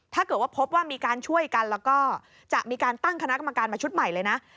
ถ้าเกิดว่าพบว่ามีการช่วยกันแล้วก็จะมีการตั้งคณะกรรมการมาชุดใหม่เลยนะ